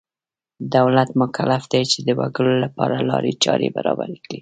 دولت مکلف دی چې د وګړو لپاره لارې چارې برابرې کړي.